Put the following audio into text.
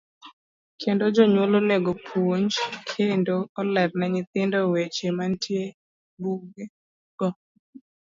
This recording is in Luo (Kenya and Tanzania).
Kendo jonyuol onego opuonj kendo oler ne nyithindo weche mantie e buge go.